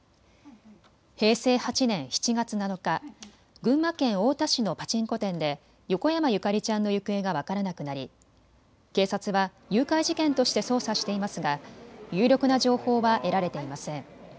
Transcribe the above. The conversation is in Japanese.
平成８年７月７日、群馬県太田市のパチンコ店で横山ゆかりちゃんの行方が分からなくなり警察は誘拐事件として捜査していますが有力な情報は得られていません。